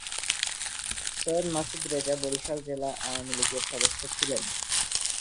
সৈয়দ মাসুদ রেজা বরিশাল জেলা আওয়ামীলীগের সদস্য ছিলেন।